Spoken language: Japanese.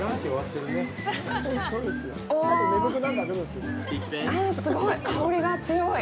おわあ、すごい、香りが強い。